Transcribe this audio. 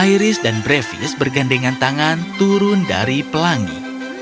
iris dan brevis bergandengan tangan turun dari pelangi